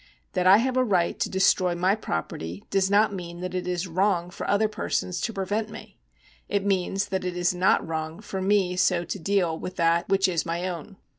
' That I have a right to destroy my property does not mean that it is wrong for other persons to prevent me ; it means that it is not wrong for me so to deal with that which is my own.